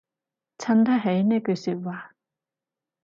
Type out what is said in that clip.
襯得起呢句說話